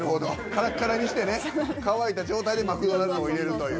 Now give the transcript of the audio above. カラカラにしてね渇いた状態で「マクドナルド」を入れるという。